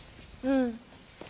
うん。